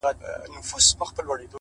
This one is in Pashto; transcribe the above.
• چي« رېبې به هغه څه چي دي کرلې»,